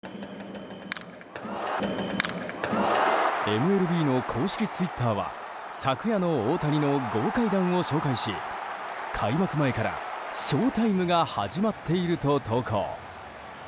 ＭＬＢの公式ツイッターは昨夜の大谷の豪快弾を紹介し開幕前からショウタイムが始まっていると投稿。